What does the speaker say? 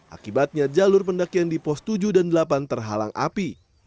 akibatnya jalur pendakian di pos tujuh dan delapan terhalang api